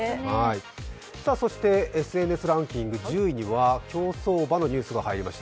そしてＳＮＳランキング１０位には競走馬のニュースが入りました。